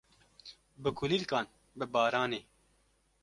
bi kulîlkan, bi baranê.